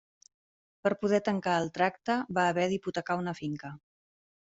Per poder tancar el tracte va haver d'hipotecar una finca.